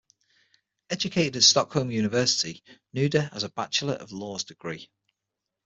Educated at Stockholm University, Nuder has a Bachelor of Laws degree.